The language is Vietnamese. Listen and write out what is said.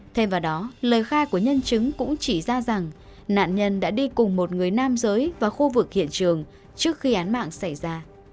thêm vào đó lời khai của nhân chứng cũng chỉ ra rằng nạn nhân đã đi cùng một người nam giới vào khu vực hiện trường trước khi án mạng xảy ra